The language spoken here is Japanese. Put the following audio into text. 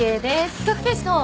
企画ページどう？